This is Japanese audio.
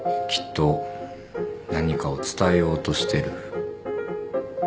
きっと何かを伝えようとしてる。